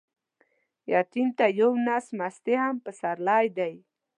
يتيم ته يو نس مستې هم پسرلى دى.